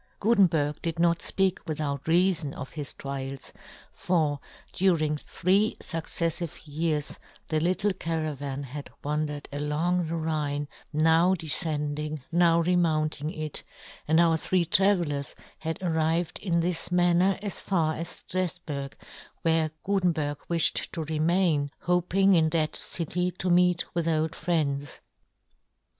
Gutenberg did not fpeak without yohn Gutenberg. 93 reafon of his trials, for during three fucceffive years the little caravan had wandered along the Rhine, now def cending, now re mounting it, and our three travellers had arrived in this manner as far as Stralburg, where Gutenberg wifhed to remain, hoping in that city to meet with old friends.